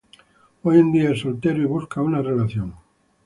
Hoy en día es soltero y busca una relación.